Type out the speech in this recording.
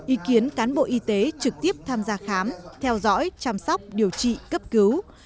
ý kiến cán bộ y tế trực tiếp tham gia khám theo dõi chăm sóc điều trị cấp cứu